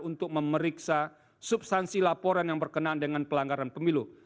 untuk memeriksa substansi laporan yang berkenaan dengan pelanggaran pemilu